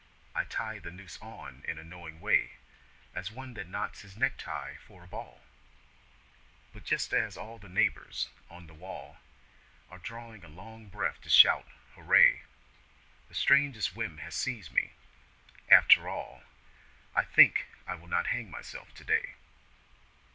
I tie the noose on in a knowing way As one that knots his necktie for a ball; But just as all the neighbours on the wall Are drawing a long breath to shout 'Hurray!' The strangest whim has seized me ... After all I think I will not hang myself today.